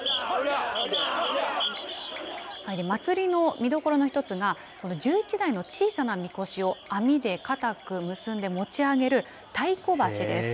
祭りの見どころの１つがこの１１台の小さなみこしを網で堅く結んで持ち上げる太鼓橋です。